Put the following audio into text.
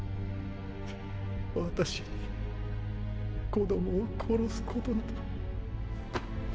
私に子供を殺すことなど。